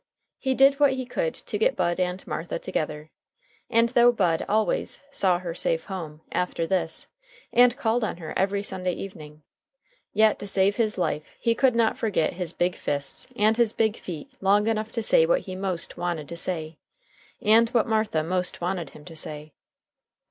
He did what he could to get Bud and Martha together, and though Bud always "saw her safe home" after this, and called on her every Sunday evening, yet, to save his life, he could not forget his big fists and his big feet long enough to say what he most wanted to say, and what Martha most wanted him to say.